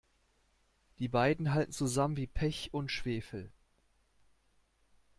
Die beiden halten zusammen wie Pech und Schwefel.